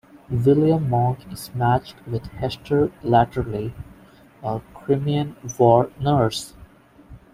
William Monk is matched with Hester Latterly, a Crimean War nurse.